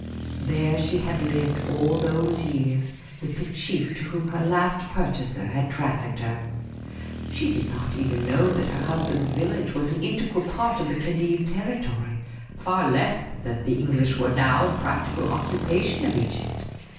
There she had lived all those years with the chief to whom her last purchaser had trafficked her. She did not even know that her husband's village was an integral part of the Khedive's territory ; far less that the English were now in practical occupation of Egypt.